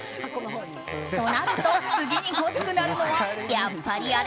となると次に欲しくなるのはやっぱりあれ。